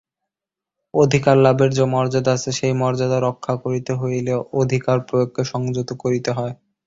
অধিকারলাভের যে মর্যাদা আছে, সেই মর্যাদা রক্ষা করিতে হইলে অধিকারপ্রয়োগকে সংযত করিতে হয়।